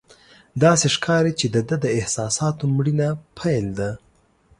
داسې ښکاري چې د ده د احساساتو مړینه پیل ده.